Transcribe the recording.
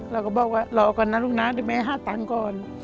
เราก็บอกว่ารอก่อนนะลูกนะเดี๋ยวแม่หาตังค์ก่อน